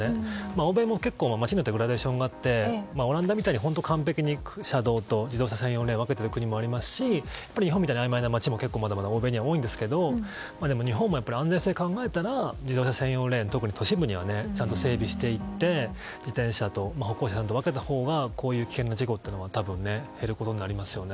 欧米もグラデーションがあってオランダみたいに完璧に車道と自転車専用レーンを分けている国もありますし日本みたいにあいまいな街も欧米には多いですがでも日本も安全性を考えたら専用レーンをちゃんと整備していって自転車と歩行者を分けたほうがこういう危険な事故は減ることになりますよね。